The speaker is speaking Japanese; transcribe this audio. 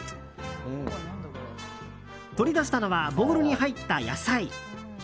取り出したのはボウルに入った野菜。